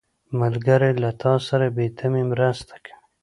ملګری له تا سره بې تمې مرسته کوي